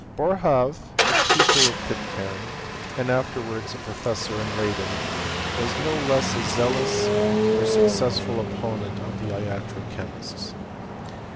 Boerhaave, the pupil of Pitcairne, and afterwards a professor in Leyden, was a no less zealous or success ftil opponent of the iatro chemists.